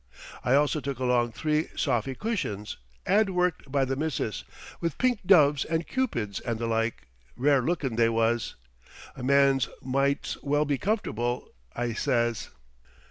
I also took along three sofy cushions, hand worked by the missus, with pink doves and cupids and the like rare lookin' they was. 'A man might's well be comfortable,' I says.